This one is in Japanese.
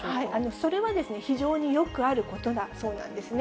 それは非常によくあることだそうなんですね。